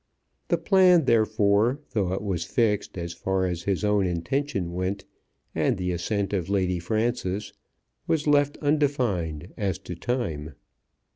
The plan, therefore, though it was fixed as far as his own intention went and the assent of Lady Frances, was left undefined as to time.